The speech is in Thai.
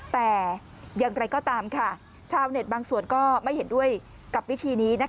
แต่อย่างไรก็ตามค่ะชาวเน็ตบางส่วนก็ไม่เห็นด้วยกับวิธีนี้